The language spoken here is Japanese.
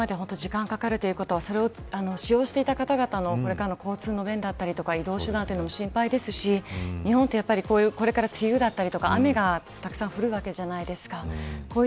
復旧まで時間がかかるということはそれを使用していた方々のこれからの交通の便移動手段が心配ですし日本は、これから梅雨だったり雨がたくさん降るわけじゃないですか。